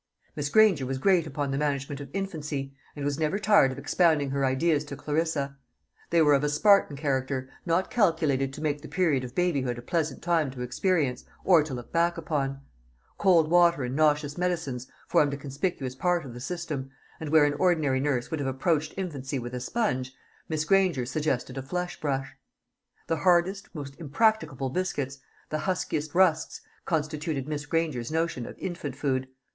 Miss Granger was great upon the management of infancy, and was never tired of expounding her ideas to Clarissa. They were of a Spartan character, not calculated to make the period of babyhood a pleasant time to experience or to look back upon. Cold water and nauseous medicines formed a conspicuous part of the system, and where an ordinary nurse would have approached infancy with a sponge, Miss Granger suggested a flesh brush. The hardest, most impracticable biscuits, the huskiest rusks, constituted Miss Granger's notion of infant food.